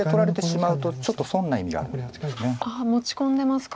持ち込んでますか。